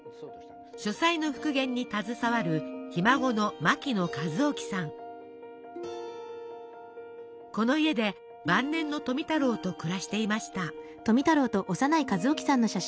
書斎の復元に携わるこの家で晩年の富太郎と暮らしていました。